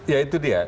ya itu dia